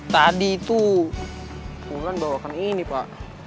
tadi itu kemudian bawakan ini pak